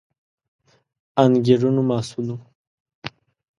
انګېرنو محصول وو